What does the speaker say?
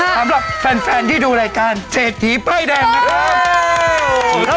สำหรับแฟนที่ดูรายการเศรษฐีป้ายแดงนะครับ